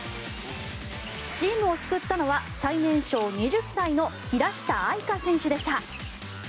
チームを救ったのは最年少２０歳の平下愛佳選手でした。